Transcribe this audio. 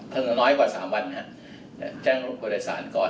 ถ้าน้อยกว่า๓วันแจ้งรถโดยสารก่อน